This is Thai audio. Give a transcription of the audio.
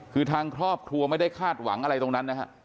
คือทางครอบครัวไม่ได้คาดหวังอะไรตรงนั้นนะฮะ